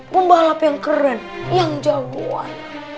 pembalap yang keren yang jagoan